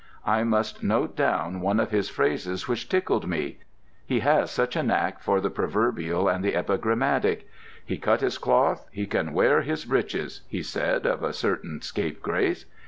I must note down one of his phrases which tickled me—he has such a knack for the proverbial and the epigrammatic. 'He's cut his cloth, he can wear his breeches,' he said of a certain scapegrace.